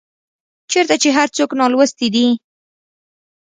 چيرته چي هر څوک نالوستي دي